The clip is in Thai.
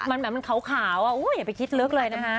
มันเหมือนมันขาวอย่าไปคิดเลิกเลยนะคะ